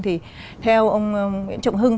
thì theo ông nguyễn trọng hưng